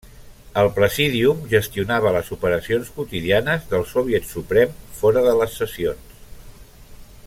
El Presídium gestionava les operacions quotidianes del Soviet Suprem fora de les sessions.